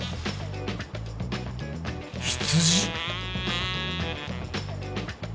羊？